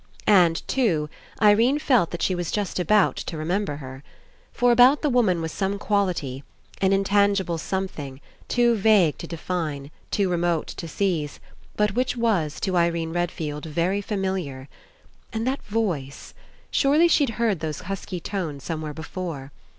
And, too, Irene felt that she was just about to remember her. For about the woman was some quality, an intangible something, too vague to define, too remote to seize, but which was, to Irene Redfield, very familiar. And that voice. Surely she'd heard those husky tones somewhere before.